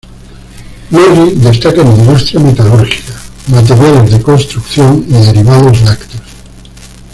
Lorri destaca en industria metalúrgica, materiales de construcción y derivados lácteos.